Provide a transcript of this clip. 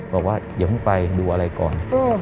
บอกว่าอย่าเพิ่งไปดูอะไรก่อน